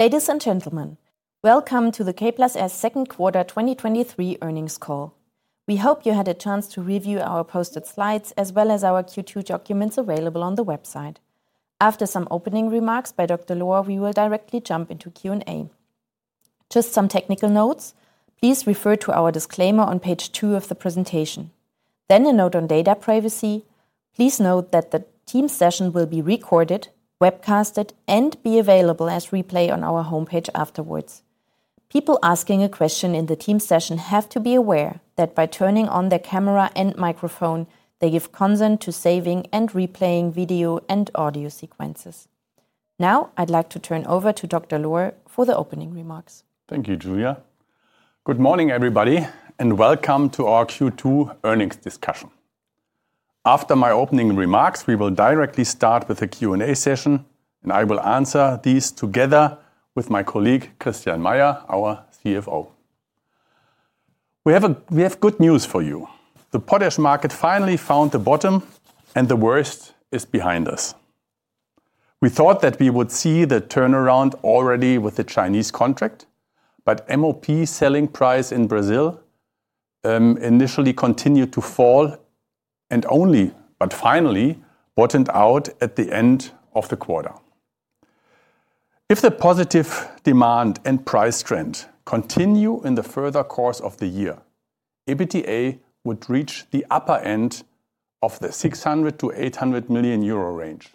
Ladies and gentlemen, welcome to the K+S second quarter 2023 earnings call. We hope you had a chance to review our posted slides, as well as our Q2 documents available on the website. After some opening remarks by Burkhard Lohr, we will directly jump into Q&A. Just some technical notes: Please refer to our disclaimer on page 2 of the presentation. A note on data privacy. Please note that the team session will be recorded, webcasted, and be available as replay on our homepage afterwards. People asking a question in the team session have to be aware that by turning on their camera and microphone, they give consent to saving and replaying video and audio sequences. Now, I'd like to turn over to Burkhard Lohr for the opening remarks. Thank you, Julia. Good morning, everybody, welcome to our Q2 earnings discussion. After my opening remarks, we will directly start with a Q&A session. I will answer these together with my colleague, Christian Meyer, our CFO. We have good news for you. The potash market finally found the bottom. The worst is behind us. We thought that we would see the turnaround already with the Chinese contract, but MOP selling price in Brazil initially continued to fall, and only, but finally, bottomed out at the end of the quarter. If the positive demand and price trend continue in the further course of the year, EBITDA would reach the upper end of the 600 million-800 million euro range.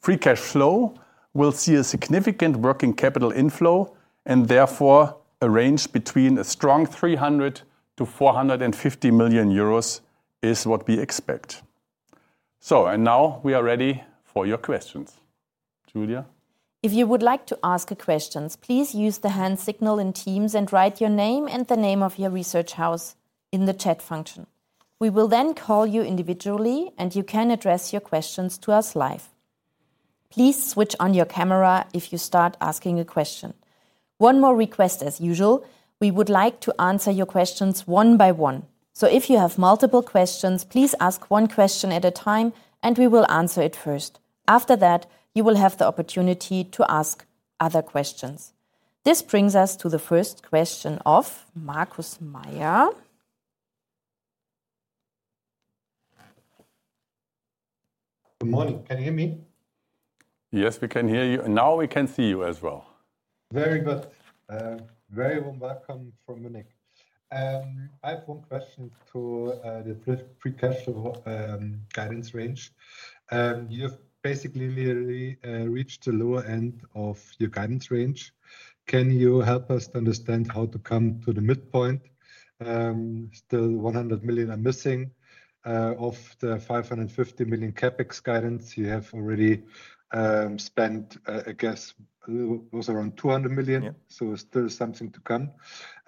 Free cash flow will see a significant working capital inflow, therefore, a range between a strong 300 million-450 million euros is what we expect. Now we are ready for your questions. Julia? If you would like to ask a question, please use the hand signal in Teams and write your name and the name of your research house in the chat function. We will then call you individually, and you can address your questions to us live. Please switch on your camera if you start asking a question. One more request as usual, we would like to answer your questions one by one. If you have multiple questions, please ask one question at a time, and we will answer it first. After that, you will have the opportunity to ask other questions. This brings us to the first question of Markus Mayer. Good morning. Can you hear me? Yes, we can hear you, and now we can see you as well. Very good. Very warm welcome from Munich. I have one question to the pre-pre-cashflow guidance range. You've basically nearly reached the lower end of your guidance range. Can you help us to understand how to come to the midpoint? Still 100 million are missing of the 550 million CapEx guidance. You have already spent, I guess, it was around 200 million. Yeah. Still something to come.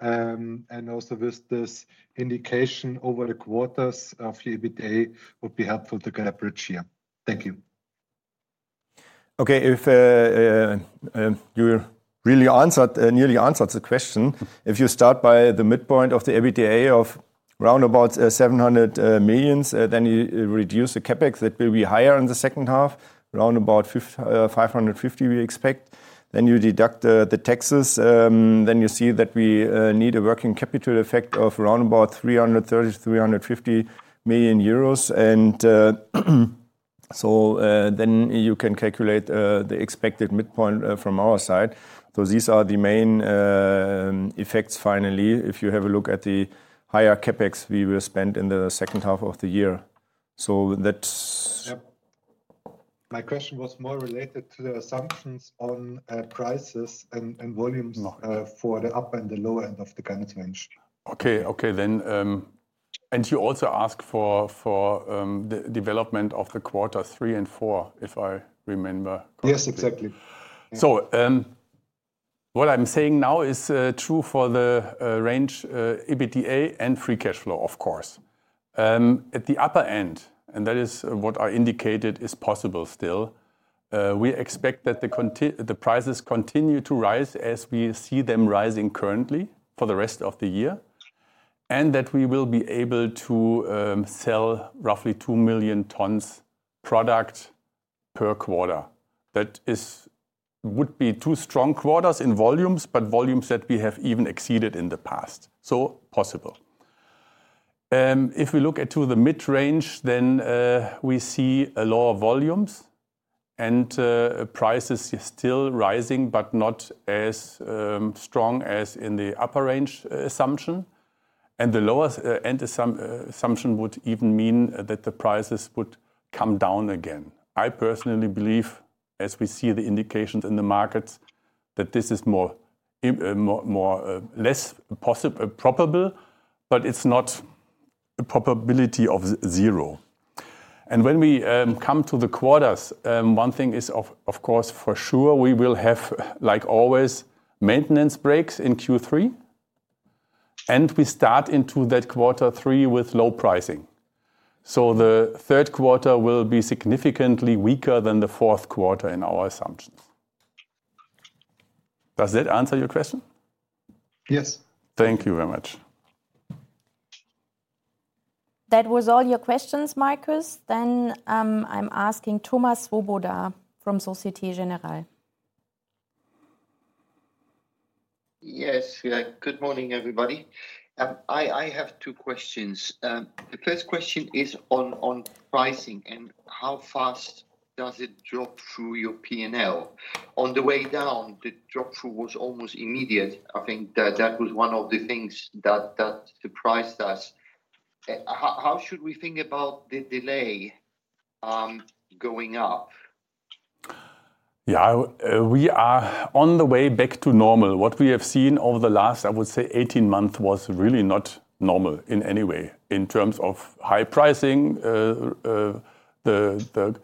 Also with this indication over the quarters of EBITDA, would be helpful to get a bridge here. Thank you. Okay. If you really answered, nearly answered the question. If you start by the midpoint of the EBITDA of round about 700 million, then you reduce the CapEx, that will be higher in the second half, round about 550, we expect. Then you deduct the taxes, then you see that we need a working capital effect of round about 330 million-350 million euros. Then you can calculate the expected midpoint from our side. These are the main effects. Finally, if you have a look at the higher CapEx we will spend in the second half of the year. That's- Yep. My question was more related to the assumptions on, prices and volumes. No... for the up and the lower end of the guidance range. Okay. Okay, then, you also asked for, for, the development of the quarter three and four, if I remember correctly. Yes, exactly. What I'm saying now is true for the range EBITDA and free cash flow, of course. At the upper end, and that is what I indicated is possible still, we expect that the prices continue to rise as we see them rising currently for the rest of the year, and that we will be able to sell roughly 2 million tons product per quarter. That would be 2 strong quarters in volumes, but volumes that we have even exceeded in the past. Possible. If we look at to the mid-range, we see a lower volumes and prices still rising, but not as strong as in the upper range assumption. The lower end assumption would even mean that the prices would come down again. I personally believe, as we see the indications in the markets, that this is more, more, more, less probable, but it's not a probability of zero. When we come to the quarters, one thing is of course, for sure, we will have, like always, maintenance breaks in Q3, and we start into that quarter three with low pricing. The third quarter will be significantly weaker than the fourth quarter in our assumptions. Does that answer your question? Yes. Thank you very much. That was all your questions, Marcus? I'm asking Thomas Swoboda from Société Générale. Yes. Yeah, good morning, everybody. I, I have two questions. The first question is on, on pricing. How fast does it drop through your P&L? On the way down, the drop through was almost immediate. I think that that was one of the things that, that surprised us. How, how should we think about the delay, going up? Yeah, we are on the way back to normal. What we have seen over the last, I would say 18 months, was really not normal in any way in terms of high pricing, the, the,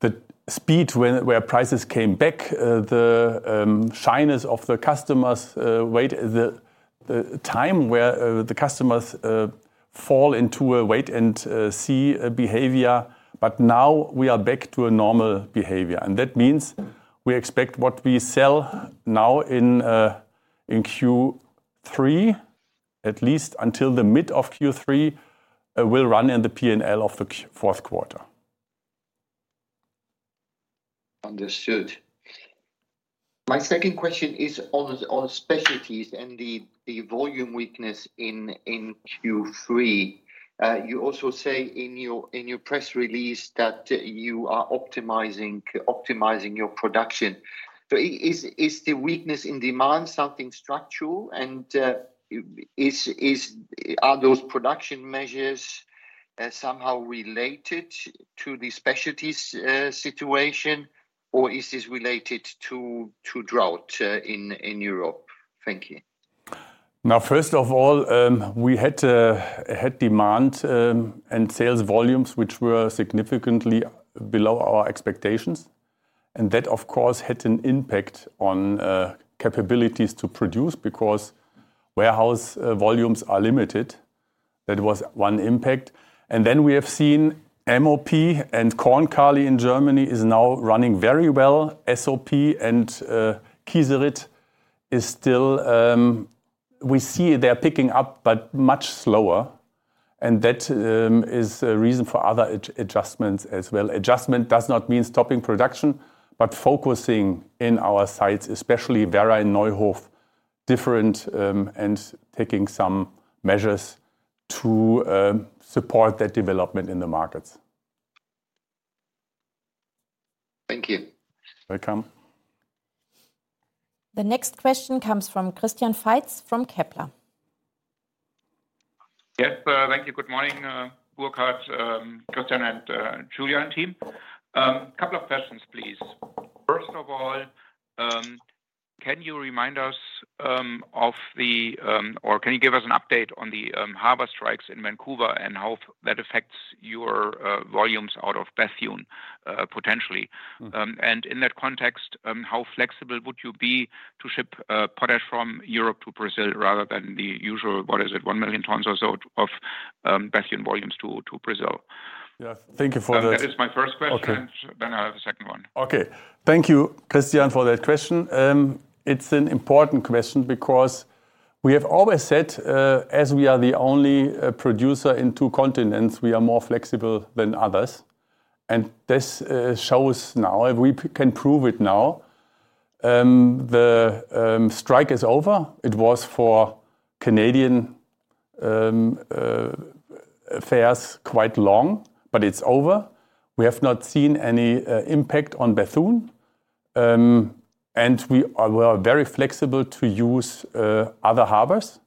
the speed where, where prices came back, the shyness of the customers, the, the time where the customers fall into a wait-and-see behavior. Now we are back to a normal behavior, and that means we expect what we sell now in Q3, at least until the mid of Q3, will run in the P&L of the Q4. Understood. My second question is on the, on specialties and the, the volume weakness in, in Q3. You also say in your, in your press release that you are optimizing, optimizing your production. Is the weakness in demand something structural? Is... Are those production measures somehow related to the specialties situation, or is this related to, to drought, in, in Europe? Thank you. Now, first of all, we had had demand and sales volumes, which were significantly below our expectations, and that, of course, had an impact on capabilities to produce because warehouse volumes are limited. Then we have seen MOP and Korn-Kali in Germany is now running very well. SOP and Kieserit is still... We see they are picking up, but much slower, and that is a reason for other adjustments as well. Adjustment does not mean stopping production, but focusing in our sites, especially Werra and Neuhof, different, and taking some measures to support that development in the markets. Thank you. Welcome. The next question comes from Christian Faitz, from Kepler. Yes. Thank you. Good morning, Burkhard, Christian, and Julia, and team. Couple of questions, please. First of all, can you give us an update on the harbor strikes in Vancouver and how that affects your volumes out of Bethune, potentially? Mm. In that context, how flexible would you be to ship potash from Europe to Brazil rather than the usual, what is it? 1 million tons or so of Bethune volumes to Brazil. Yeah. Thank you for that. That is my first question. Okay. Then I have a second one. Okay. Thank you, Christian, for that question. It's an important question because we have always said, as we are the only producer in two continents, we are more flexible than others, and this shows now, and we can prove it now. The strike is over. It was for Canadian affairs, quite long, but it's over. We have not seen any impact on Bethune, and we are, we are very flexible to use other harbors.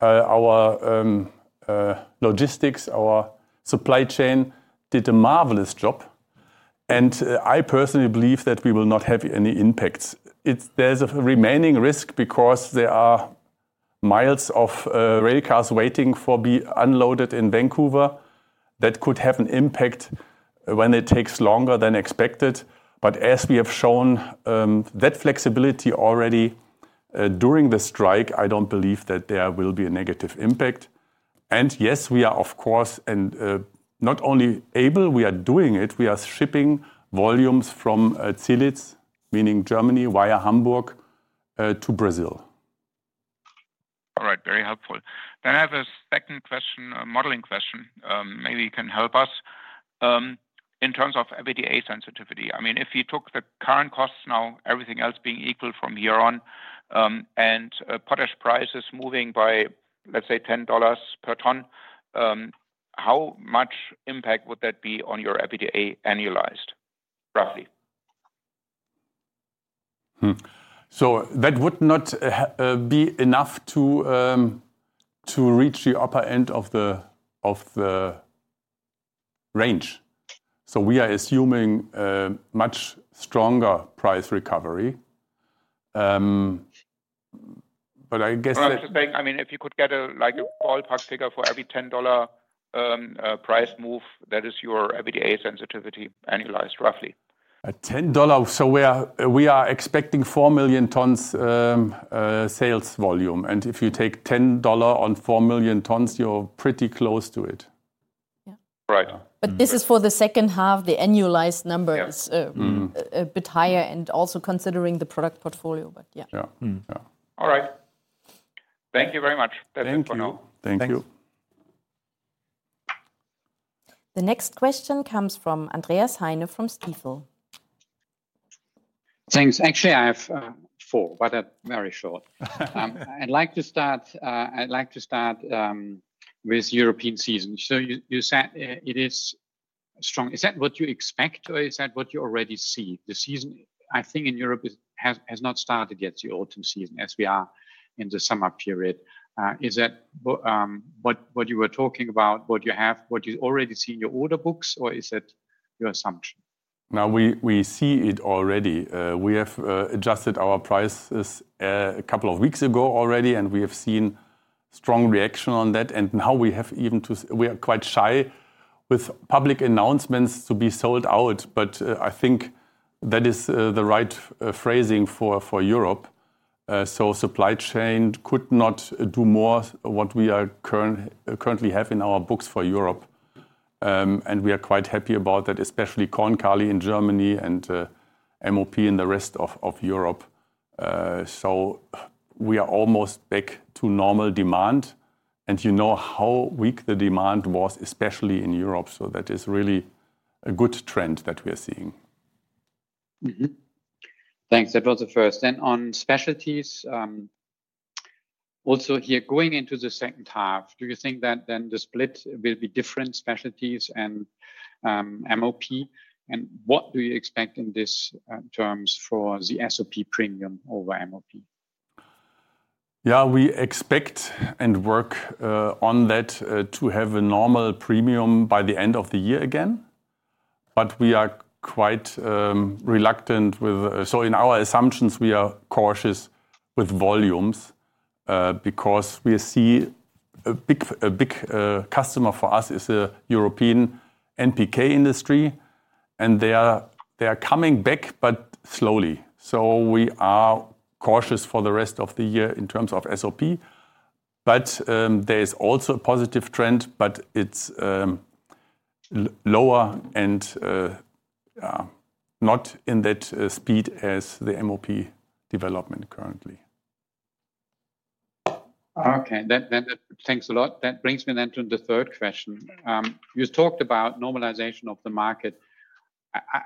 Our logistics, our supply chain did a marvelous job, and I personally believe that we will not have any impacts. There's a remaining risk because there are miles of rail cars waiting for be unloaded in Vancouver. That could have an impact when it takes longer than expected. As we have shown that flexibility already during the strike, I don't believe that there will be a negative impact. Yes, we are, of course, and not only able, we are doing it. We are shipping volumes from Zielitz, meaning Germany, via Hamburg to Brazil. All right. Very helpful. I have a second question, a modeling question. Maybe you can help us. In terms of EBITDA sensitivity, I mean, if you took the current costs now, everything else being equal from here on, and potash prices moving by, let's say, $10 per ton, how much impact would that be on your EBITDA annualized, roughly? Hmm. That would not be enough to, to reach the upper end of the, of the range. We are assuming a much stronger price recovery. But I guess. I was just saying, I mean, if you could get a, like, a ballpark figure for every $10 price move, that is your EBITDA sensitivity annualized, roughly. At $10, so we are expecting 4 million tons, sales volume, and if you take $10 on 4 million tons, you're pretty close to it. This is for the second half, the annualized numbers. Yeah. Mm-hmm. are, a bit higher, and also considering the product portfolio, but yeah. Yeah. Mm-hmm. Yeah. All right. Thank you very much. Thank you. That's it for now. Thank you. The next question comes from Andreas Heine from Stifel. Thanks. Actually, I have 4, but they're very short. I'd like to start, I'd like to start with European season. You, you said it is strong. Is that what you expect, or is that what you already see? The season, I think, in Europe has not started yet, the autumn season, as we are in the summer period. Is that what you were talking about, what you have, what you already see in your order books, or is it your assumption? We, we see it already. We have adjusted our prices a couple of weeks ago already, and we have seen strong reaction on that. Now we have even we are quite shy with public announcements to be sold out, but I think that is the right phrasing for Europe. Supply chain could not do more what we are currently have in our books for Europe. We are quite happy about that, especially Korn-Kali in Germany and MOP in the rest of Europe. We are almost back to normal demand, and you know how weak the demand was, especially in Europe, so that is really a good trend that we are seeing. Mm-hmm. Thanks. That was the first. On specialties, also here, going into the second half, do you think that then the split will be different specialties and MOP? What do you expect in this terms for the SOP premium over MOP? Yeah, we expect and work on that to have a normal premium by the end of the year again. We are quite reluctant with... so in our assumptions, we are cautious with volumes because we see a big, a big customer for us is a European NPK industry, and they are, they are coming back, but slowly. We are cautious for the rest of the year in terms of SOP, but there is also a positive trend, but it's l-lower and not in that speed as the MOP development currently. Okay. That, then, thanks a lot. That brings me then to the third question. You talked about normalization of the market.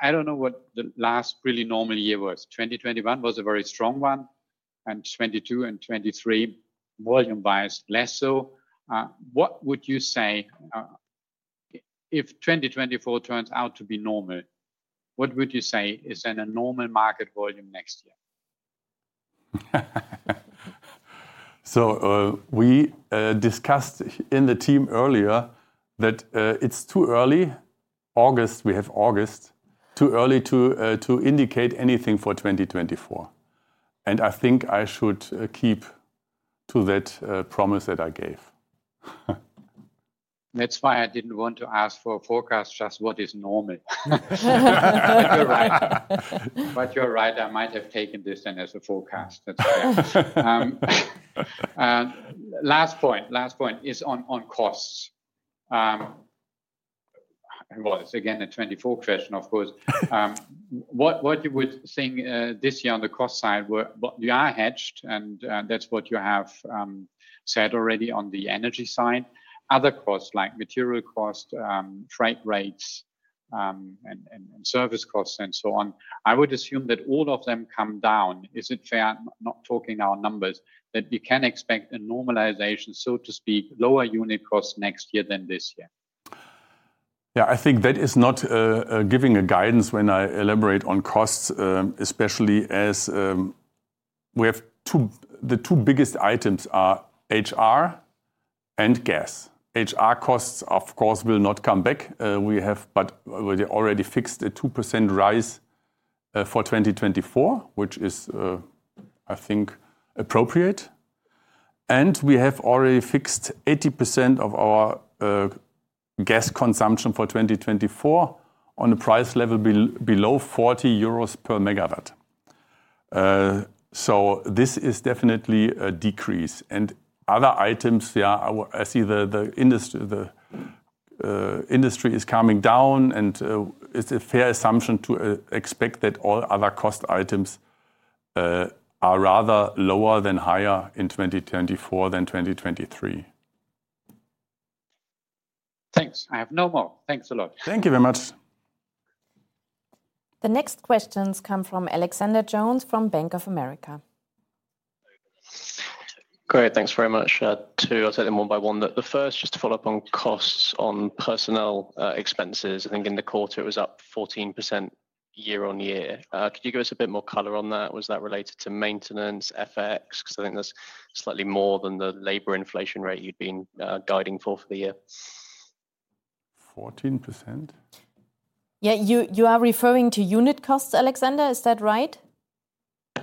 I don't know what the last really normal year was. 2021 was a very strong one, and 2022 and 2023, volume-wise, less so. What would you say, if 2024 turns out to be normal, what would you say is then a normal market volume next year? We discussed in the team earlier that it's too early. August, we have August, too early to to indicate anything for 2024. I think I should keep to that promise that I gave. That's why I didn't want to ask for a forecast, just what is normal. You're right. You're right, I might have taken this then as a forecast. That's right. Last point, last point is on, on costs. Well, it's again, a 2024 question, of course. What, what you would think, this year on the cost side, but you are hedged, and that's what you have said already on the energy side. Other costs, like material cost, freight rates, and service costs, and so on, I would assume that all of them come down. Is it fair, not talking our numbers, that we can expect a normalization, so to speak, lower unit cost next year than this year? Yeah, I think that is not giving a guidance when I elaborate on costs, especially as the two biggest items are HR and gas. HR costs, of course, will not come back. We already fixed a 2% rise for 2024, which is, I think, appropriate. We have already fixed 80% of our gas consumption for 2024 on a price level below 40 euros per megawatt. This is definitely a decrease. Other items, I, I see the industry is coming down, it's a fair assumption to expect that all other cost items are rather lower than higher in 2024 than 2023. Thanks. I have no more. Thanks a lot. Thank you very much. The next questions come from Alexander Jones from Bank of America. Great. Thanks very much. Two, I'll take them one by one. The first, just to follow up on costs, on personnel expenses. I think in the quarter it was up 14% year-on-year. Could you give us a bit more color on that? Was that related to maintenance, FX? Because I think that's slightly more than the labor inflation rate you'd been guiding for for the year. 14%? Yeah, you, you are referring to unit costs, Alexander, is that right?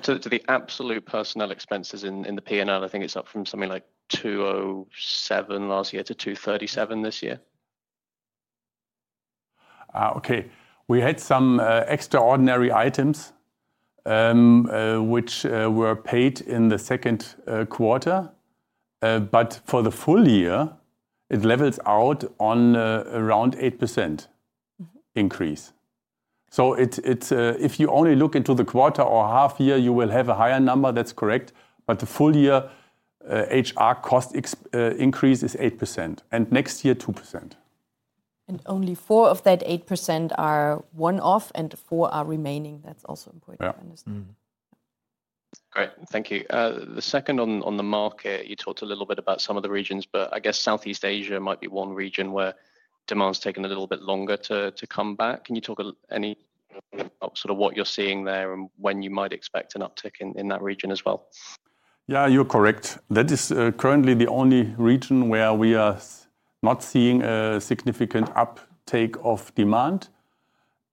To the absolute personnel expenses in the PNL, I think it's up from something like 207 last year to 237 this year. Okay. We had some extraordinary items which were paid in the second quarter. For the full year, it levels out on around 8% increase. It, it, if you only look into the quarter or half year, you will have a higher number, that's correct. The full year HR cost increase is 8%, and next year, 2%. Only 4 of that 8% are one-off, and 4 are remaining. That's also important to understand. Yeah. Mm-hmm. Great. Thank you. The second on, on the market, you talked a little bit about some of the regions, I guess Southeast Asia might be one region where demand's taken a little bit longer to come back. Can you talk any sort of what you're seeing there and when you might expect an uptick in that region as well? Yeah, you're correct. That is currently the only region where we are not seeing a significant uptake of demand.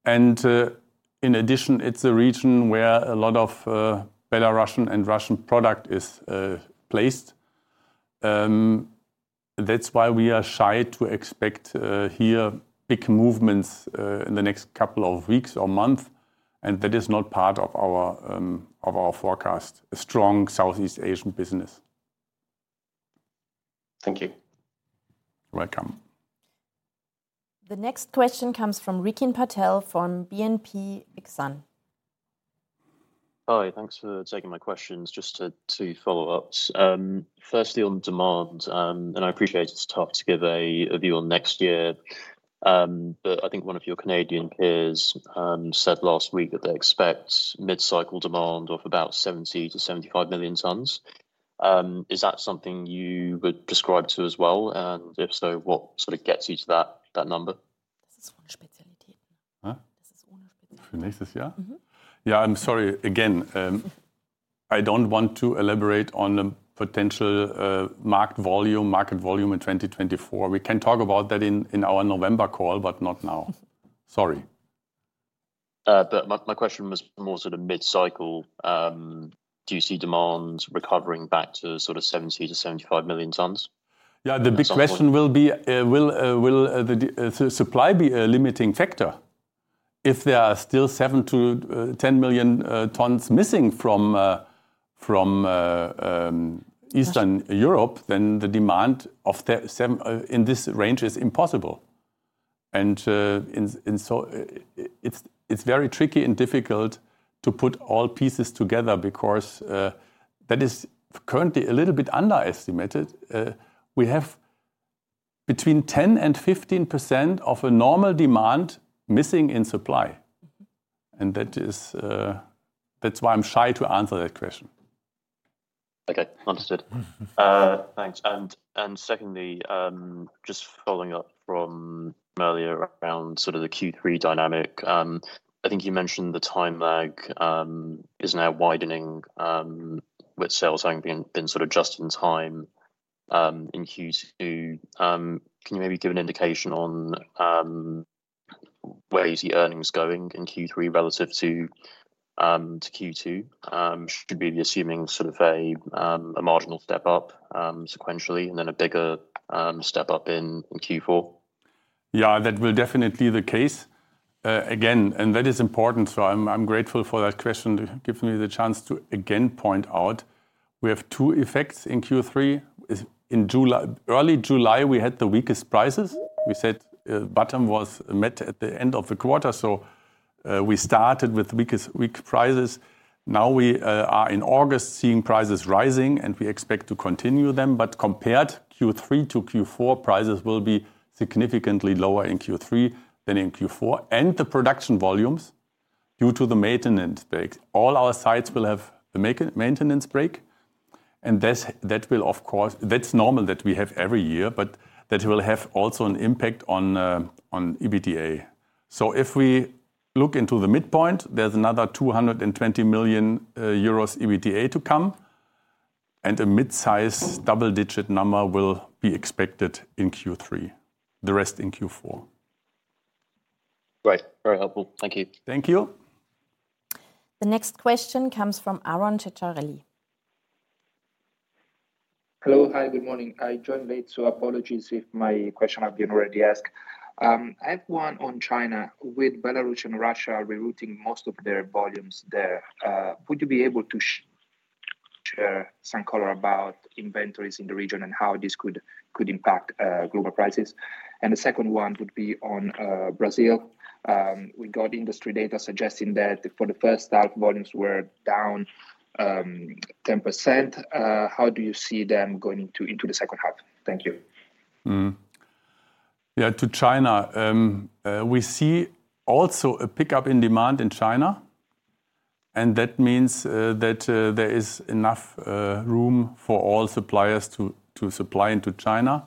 In addition, it's a region where a lot of Belarusian and Russian product is placed. That's why we are shy to expect, here, big movements in the next couple of weeks or month, and that is not part of our of our forecast, a strong Southeast Asian business. Thank you. You're welcome. The next question comes from Rikin Patel, from BNP Exane. Hi, thanks for taking my questions. Just two follow-ups. Firstly, on demand. I appreciate it's tough to give a view on next year. I think one of your Canadian peers said last week that they expect mid-cycle demand of about 70-75 million tons. Is that something you would describe to as well? If so, what sort of gets you to that, that number? Huh? Yeah, I'm sorry. Again, I don't want to elaborate on the potential, market volume, market volume in 2024. We can talk about that in, in our November call, but not now. Sorry. My, my question was more sort of mid-cycle. Do you see demands recovering back to sort of 70 million-75 million tons? Yeah, the big question will be, will the supply be a limiting factor? If there are still 7-10 million tons missing from Eastern Europe, then the demand in this range is impossible. It's very tricky and difficult to put all pieces together because that is currently a little bit underestimated. We have between 10% and 15% of a normal demand missing in supply, and that is. That's why I'm shy to answer that question. Okay, understood. Thanks. Secondly, just following up from earlier around sort of the Q3 dynamic, I think you mentioned the time lag is now widening with sales having been, been sort of just in time in Q2. Can you maybe give an indication on where you see earnings going in Q3 relative to Q2? Should we be assuming sort of a marginal step up sequentially, and then a bigger step up in Q4? Yeah, that will definitely be the case. Again, and that is important, so I'm, I'm grateful for that question. It gives me the chance to, again, point out, we have two effects in Q3. In early July, we had the weakest prices. We said, bottom was met at the end of the quarter, so we started with weakest weak prices. Now we are in August, seeing prices rising, and we expect to continue them. Compared Q3 to Q4, prices will be significantly lower in Q3 than in Q4, and the production volumes, due to the maintenance break. All our sites will have the maintenance break, and that's, that will, of course. That's normal that we have every year, but that will have also an impact on EBITDA. If we look into the midpoint, there's another 220 million euros EBITDA to come, and a mid-size double-digit number will be expected in Q3. The rest in Q4. Great. Very helpful. Thank you. Thank you. The next question comes from Aron Ceccarelli. Hello. Hi, good morning. I joined late, so apologies if my question has been already asked. I have one on China. With Belarus and Russia rerouting most of their volumes there, would you be able to share some color about inventories in the region and how this could, could impact global prices? The second one would be on Brazil. We got industry data suggesting that for the first half, volumes were down 10%. How do you see them going into, into the second half? Thank you. Yeah, to China, we see also a pickup in demand in China, and that means there is enough room for all suppliers to supply into China.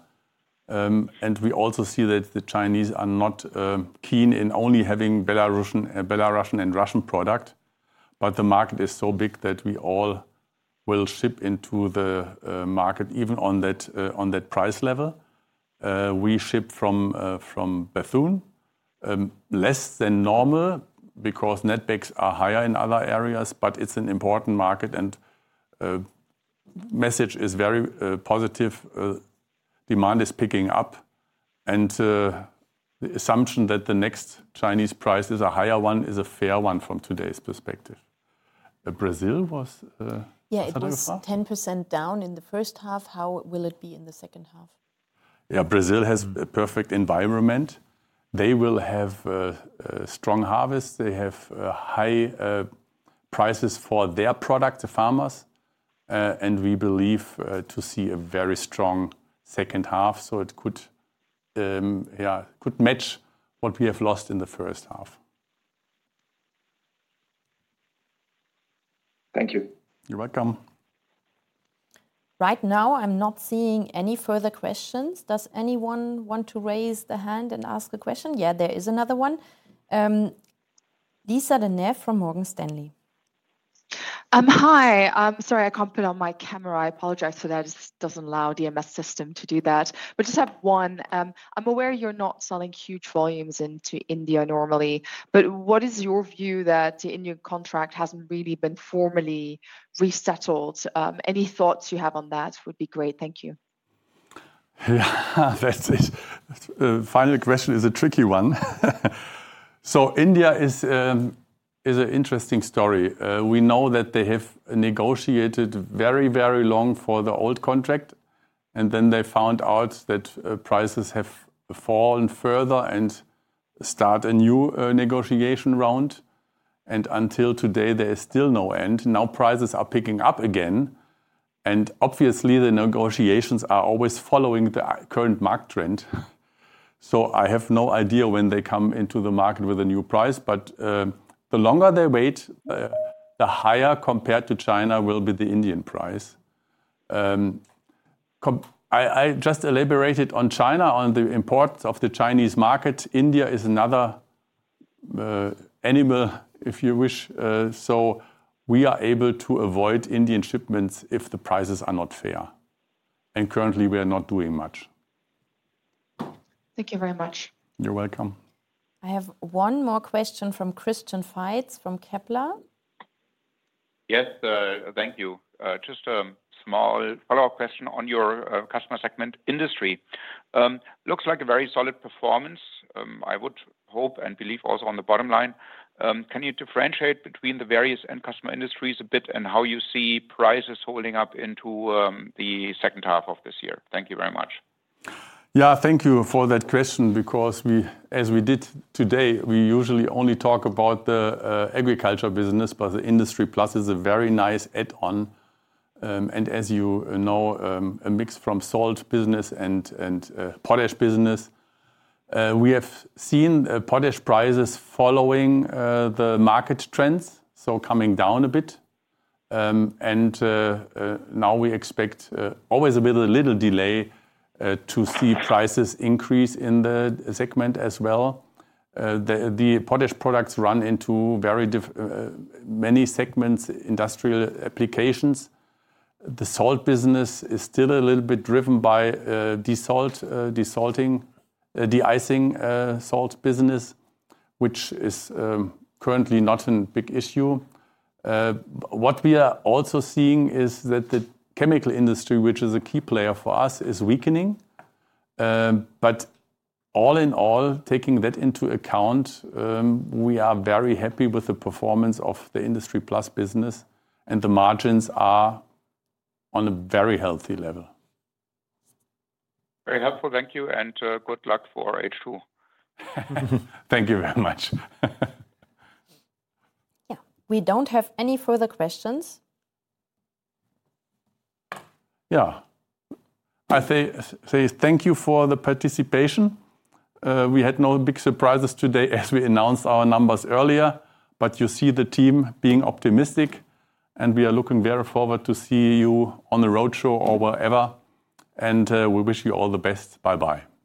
And we also see that the Chinese are not keen in only having Belarusian and Russian product, but the market is so big that we all will ship into the market, even on that price level. We ship from Bethune less than normal because netbacks are higher in other areas, but it's an important market, and message is very positive. Demand is picking up, and the assumption that the next Chinese price is a higher one is a fair one from today's perspective. Brazil was- further off? 10% down in the first half. How will it be in the second half? Yeah, Brazil has a perfect environment. They will have a strong harvest. They have high prices for their product to farmers. We believe to see a very strong second half, so it could, yeah, could match what we have lost in the first half. Thank you. You're welcome. Right now, I'm not seeing any further questions. Does anyone want to raise their hand and ask a question? Yeah, there is another one. Lisa De Neve from Morgan Stanley. Hi. Sorry, I can't put on my camera. I apologize for that. It doesn't allow the MS system to do that. Just have one. I'm aware you're not selling huge volumes into India normally, but what is your view that the Indian contract hasn't really been formally resettled? Any thoughts you have on that would be great. Thank you. Yeah, that's it. Final question is a tricky one. India is an interesting story. We know that they have negotiated very, very long for the old contract, and then they found out that prices have fallen further and start a new negotiation round. Until today, there is still no end. Now, prices are picking up again, obviously, the negotiations are always following the current market trend. I have no idea when they come into the market with a new price, but the longer they wait, the higher, compared to China, will be the Indian price. I, I just elaborated on China, on the imports of the Chinese market. India is another animal, if you wish. We are able to avoid Indian shipments if the prices are not fair, and currently, we are not doing much. Thank you very much. You're welcome. I have one more question from Christian Faitz from Kepler. Yes, thank you. Just a small follow-up question on your customer segment industry. Looks like a very solid performance. I would hope and believe also on the bottom line. Can you differentiate between the various end customer industries a bit, and how you see prices holding up into the second half of this year? Thank you very much. Yeah, thank you for that question, because we... As we did today, we usually only talk about the agriculture business, but the Industry+ is a very nice add-on. As you know, a mix from salt business and, and potash business. We have seen potash prices following the market trends, so coming down a bit. Now we expect always with a little delay to see prices increase in the segment as well. The, the potash products run into very many segments, industrial applications. The salt business is still a little bit driven by desalt, desalting, de-icing salt business, which is currently not a big issue. What we are also seeing is that the chemical industry, which is a key player for us, is weakening. All in all, taking that into account, we are very happy with the performance of the Industry+ business, and the margins are on a very healthy level. Very helpful. Thank you, and good luck for H2. Thank you very much. Yeah. We don't have any further questions. Yeah. I say, say thank you for the participation. We had no big surprises today as we announced our numbers earlier, but you see the team being optimistic, and we are looking very forward to see you on the roadshow or wherever. We wish you all the best. Bye-bye.